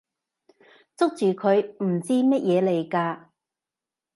捉住佢！唔知咩嘢嚟㗎！